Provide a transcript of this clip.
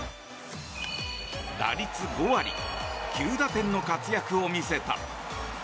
打率５割、９打点の活躍を見せた。